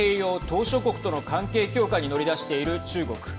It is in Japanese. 島しょ国との関係強化に乗り出している中国。